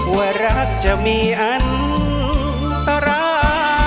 ว่ารักจะมีอันตรา